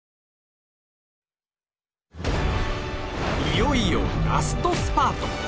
いよいよラストスパート！